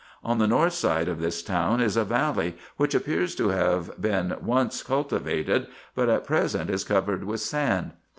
On the north side of this town is a valley, which appears to have been once cultivated, but at present is covered with sand.